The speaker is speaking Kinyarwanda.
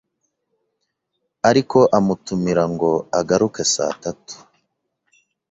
ariko amutumira ngo agaruke saa tatu